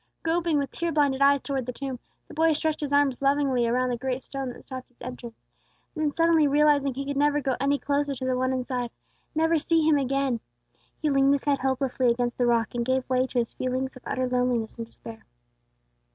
Groping with tear blinded eyes towards the tomb, the boy stretched his arms lovingly around the great stone that stopped its entrance; then suddenly realizing that he could never go any closer to the One inside, never see Him again, he leaned his head hopelessly against the rock, and gave way to his feeling of utter loneliness and despair.